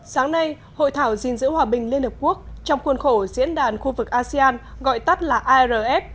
sáng nay hội thảo gìn giữ hòa bình liên hợp quốc trong khuôn khổ diễn đàn khu vực asean gọi tắt là arf